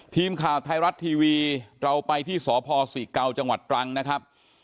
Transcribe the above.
ทีมข่าวไทยรัฐทีวีเราไปที่สพศรีเกาจังหวัดตรังนะครับ